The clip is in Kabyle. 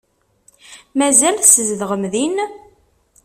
Mazal tzedɣem din?